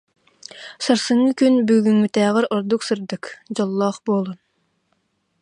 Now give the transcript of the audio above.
Сарсыҥҥы күн бүгүҥҥүтээҕэр ордук сырдык, дьоллоох буоллун